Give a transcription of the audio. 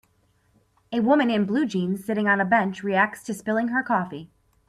A woman in blue jeans sitting on a bench reacts to spilling her coffee.